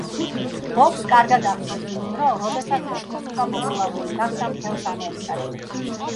ბობს კარგად ახსოვს ის დრო, როდესაც ეს მუსიკა პოპულარული გახდა მთელს ამერიკაში.